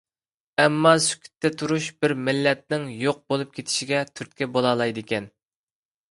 ئەمما، سۈكۈتتە تۇرۇش بىر مىللەتنىڭ يوق بولۇپ كېتىشىگە تۈرتكە بولالايدىكەن.